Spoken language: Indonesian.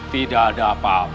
tidak ada apa apa